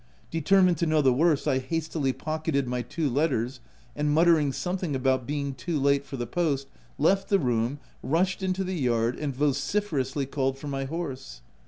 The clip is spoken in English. Determined to know the worst, I hastily pocketed my two letters, and muttering something about being too late for the post, left the room, rushed into the yard and vocife rously called for my horse.